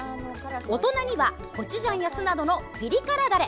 大人にはコチュジャンや酢などのピリ辛ダレ。